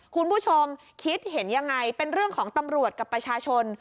คุณผู้ชมคิดเห็นยังไงเป็นเรื่องของตำรวจกับประชาชน